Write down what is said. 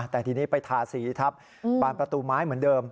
แต่ทีนี้ไปทาสีทับบานประตูไม้เหมือนเดิม